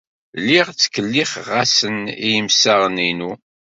Lliɣ ttkellixeɣ-asen i yemsaɣen-inu.